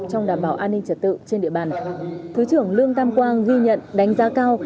trong đảm bảo an ninh trật tự trên địa bàn thứ trưởng lương tam quang ghi nhận đánh giá cao